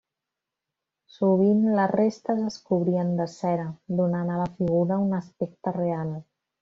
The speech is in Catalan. Sovint, les restes es cobrien de cera, donant a la figura un aspecte real.